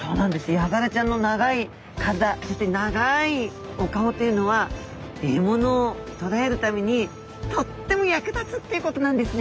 ヤガラちゃんの長い体そして長いお顔というのは獲物を捕らえるためにとっても役立つってことなんですね。